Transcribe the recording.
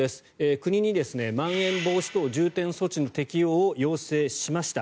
国にまん延防止等重点措置の適用を要請しました。